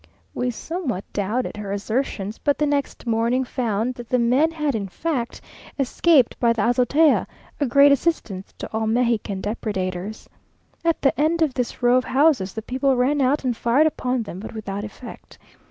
We somewhat doubted her assertions, but the next morning found that the men had in fact escaped by the Azotea, a great assistance to all Mexican depredators. At the end of this row of houses the people ran out and fired upon them, but without effect.